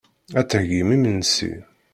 Ad d-theyyim imensi.